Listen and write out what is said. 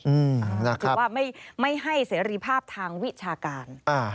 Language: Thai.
คือว่าไม่ให้เสรีภาพทางวิชาการ